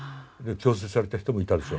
強制された人もいたでしょう。